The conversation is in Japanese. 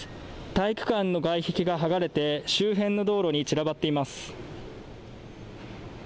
体育館の外壁が剥がれて周辺の道路に散らばっています。